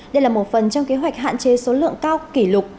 đây là một phần trong kế hoạch hạn chế số lượng cao kỷ lục